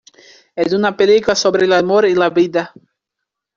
Es una película sobre el amor y la vida.